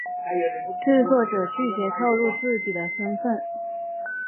制作者拒绝透露自己的身份。